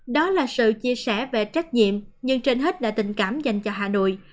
đó là sự chia sẻ về trách nhiệm nhưng trên hết là tình cảm dành cho hà nội